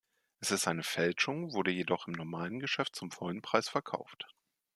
Es ist eine Fälschung, wurde jedoch im normalen Geschäft zum vollen Preis verkauft.